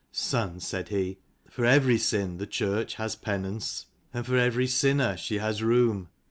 "Son," said he, "for every sin the church has penance, and for ever sinner she has room.